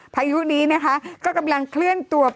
พายุนี้นะคะก็กำลังเคลื่อนตัว